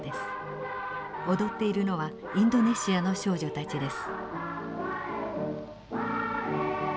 踊っているのはインドネシアの少女たちです。